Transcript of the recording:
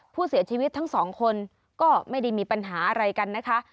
ผู้เสียชีวิตทั้งสองคนก็ไม่ได้มีปัญหาอะไรกันนะคะ